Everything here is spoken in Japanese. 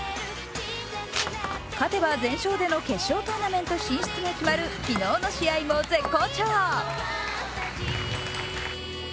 勝てば全勝での決勝トーナメント進出が決まる昨日の試合も絶好調。